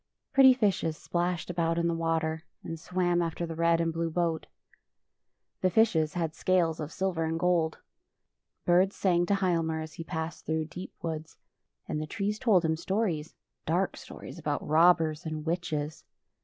Pretty fishes splashed about in the water, and swam after the red and blue boat. The fishes had scales of silver and gold. Birds sang to Hialmar sls he passed through deep woods, and the trees told him stories — dark stories about robbers and witches.